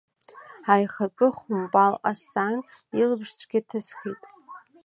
Аихатәы хәымпал ҟасҵан, илаԥш цәгьа ҭысхит.